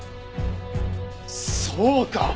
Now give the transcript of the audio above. そうか！